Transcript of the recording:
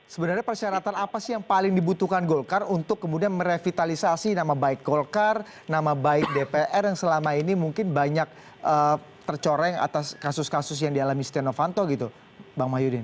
sebenarnya persyaratan apa sih yang paling dibutuhkan golkar untuk kemudian merevitalisasi nama baik golkar nama baik dpr yang selama ini mungkin banyak tercoreng atas kasus kasus yang dialami setia novanto gitu bang mahyudin